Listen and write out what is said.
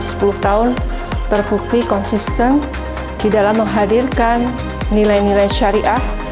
sepuluh tahun terbukti konsisten di dalam menghadirkan nilai nilai syariah